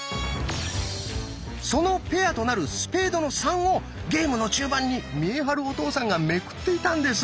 そのペアとなる「スペードの３」をゲームの中盤に見栄晴お父さんがめくっていたんです。